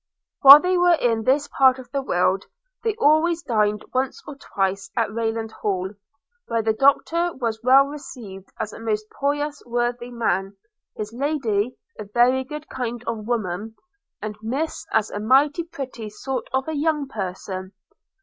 While they were in this part of the world, they always dined once or twice at Rayland Hall, where the Doctor was well received as a most pious worthy man, his Lady a very good kind of woman, and Miss as a mighty pretty sort of a young person.